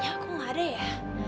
aku gak ada ya